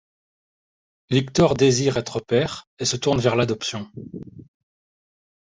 Victor désire être père et se tourne vers l'adoption.